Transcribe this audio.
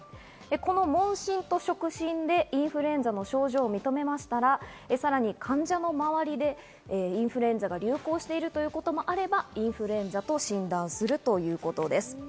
この問診と触診でインフルエンザの症状を認めましたら、さらに患者の周りでインフルエンザが流行しているということもあれば、インフルエンザと診断するということです。